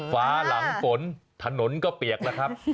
ฟ้าหลังฝนถนนก็เปียกแล้วครับ